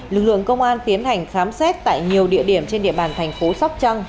lực lượng công an tiến hành khám xét tại nhiều địa điểm trên địa bàn thành phố sóc trăng